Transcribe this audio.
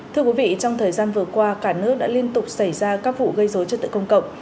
thưa quý vị trong thời gian vừa qua cả nước đã liên tục xảy ra các vụ gây dối trật tự công cộng